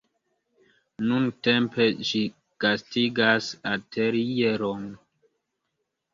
Nuntempe ĝi gastigas atelieron.